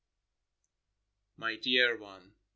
My dear one !